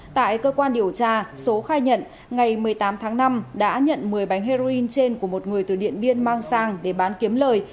tại cơ quan điều tra số khai nhận ngày một mươi tám tháng năm đã nhận một mươi bánh heroin trên của một người từ điện biên mang sang để bán kiếm lời